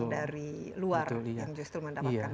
dari luar yang justru mendapatkan